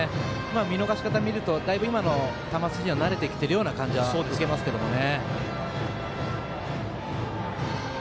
見逃し方を見るとだいぶ、今の球筋に慣れてきている感じは受けますけどね。